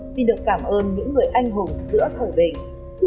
xin được cảm ơn những người anh hùng giữa thời bình